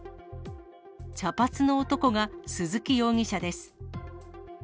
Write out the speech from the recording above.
茶髪の男が鈴木容疑者です。